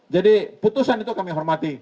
jadi putusan itu kami hormati